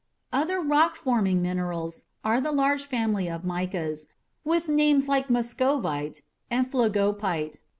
Other rock forming minerals are the large family of micas, with names like muscovite and phlogopite.